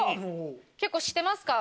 結構知ってますか？